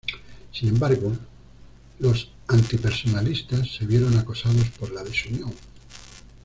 Sin embargo, los antipersonalistas se vieron acosados por la desunión.